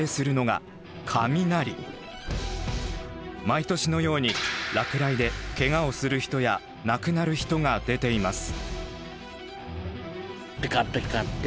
毎年のように落雷でケガをする人や亡くなる人が出ています。